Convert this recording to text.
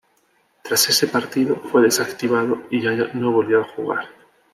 Tras ese partido, fue desactivado, y ya no volvió a jugar.